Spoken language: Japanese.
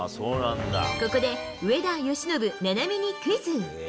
ここで上田、由伸、菜波にクイズ。